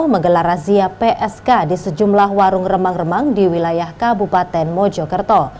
menggelar razia psk di sejumlah warung remang remang di wilayah kabupaten mojokerto